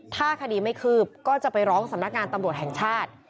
ถ้าคดีไม่คืบก็จะไปร้องสำนักงานตำรวจแห่งชาติ